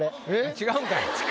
違うんかい。